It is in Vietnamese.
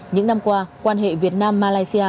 những năm qua quan hệ việt nam malaysia